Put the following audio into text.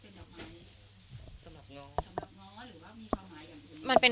สำหรับน้องหรือว่ามีความหมายกัน